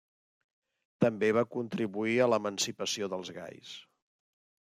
També va contribuir a l'emancipació dels gais.